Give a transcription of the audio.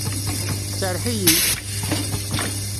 Serreḥ-iyi!